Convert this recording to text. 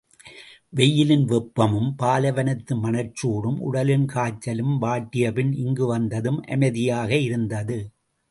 வெயிலின் வெப்பமும், பாலைவனத்து மணற்குடும் உடலின் காய்ச்சலும் வாட்டியபின் இங்கு வந்ததும் அமைதியாக இருந்தது.